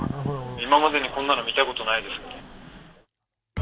今までにこんなの見たことないですね。